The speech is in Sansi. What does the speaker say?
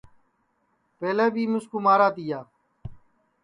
پہلے بی مِسکُو مارا تیا